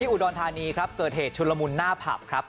อุดรธานีครับเกิดเหตุชุนละมุนหน้าผับครับ